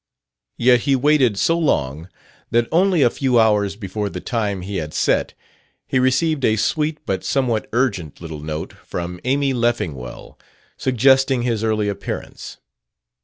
Yet he waited so long that, only a few hours before the time he had set, he received a sweet but somewhat urgent little note from Amy Leffingwell suggesting his early appearance.